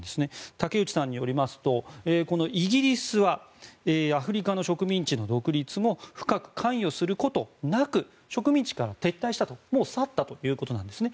武内さんによりますとこのイギリスはアフリカの植民地の独立も深く関与することなく植民地から撤退したもう去ったということなんですね。